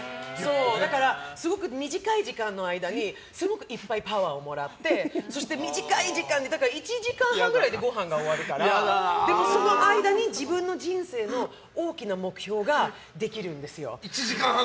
だから、すごく短い時間の間にすごくいっぱいパワーをもらってそして短い時間で１時間半ぐらいでごはんが終わるからでも、その間に自分の人生の大きな目標ができるんですよ。